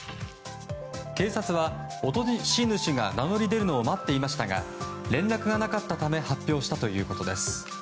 警察は、落とし主が名乗り出るのを待っていましたが連絡がなかったため発表したということです。